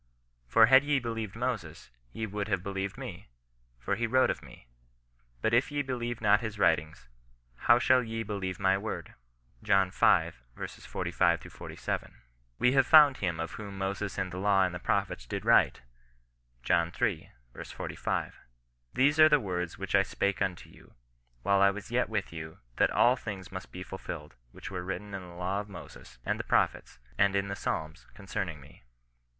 For had ye believed Moses, ye would have believed me : for he wrote of me. But if ye be lieve not his writings, how shall ye believe my word." John v. 45—47. " We have found him of whom Moses in the law and the prophets did write." John iii. 4 5. " Tkese are the words which I spake unto you, while I was yet with you, that all things must be fulfilled which were written in the law of Moses, and the prophets, and in the Psalms, concerning me."